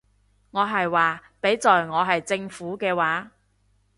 我係話，畀在我係政府嘅話